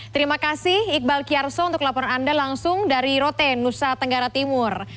terima kasih iqbal kiarso untuk laporan anda langsung dari rote nusa tenggara timur